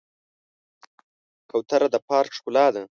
کوتره د پارک ښکلا ده.